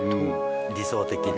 理想的な。